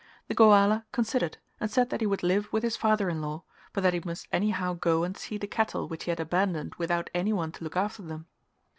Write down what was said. The Goala considered and said that he would live with his father in law but that he must anyhow go and see the cattle which he had abandoned without any one to look after them.